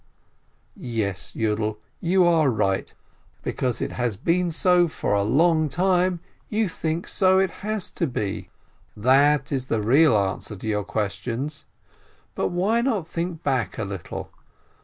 47 "Yes, Yiidel, you are right, because it has been so for a long time, you think so it has to be — that is the real answer to your questions. But why not think back a little?